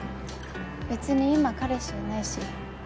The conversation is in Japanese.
別に今彼氏いないし。